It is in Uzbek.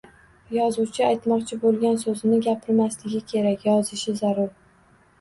Yozuvchi aytmoqchi boʻlgan soʻzini gapirmasligi kerak, yozishi zarur